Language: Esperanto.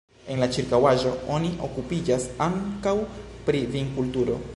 En la ĉirkaŭaĵo oni okupiĝas ankaŭ pri vinkulturo.